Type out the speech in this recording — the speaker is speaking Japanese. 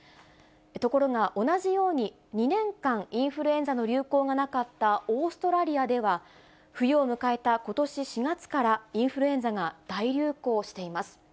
ところが、同じように、２年間インフルエンザの流行がなかったオーストラリアでは、冬を迎えたことし４月から、インフルエンザが大流行しています。